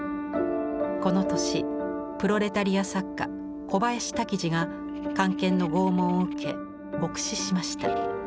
この年プロレタリア作家小林多喜二が官憲の拷問を受け獄死しました。